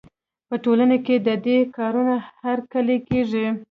په ټولنه کې د دې کارونو هرکلی کېږي.